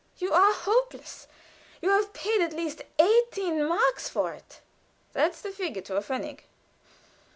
"You are hopeless. You have paid at least eighteen marks for it." "That's the figure to a pfennig."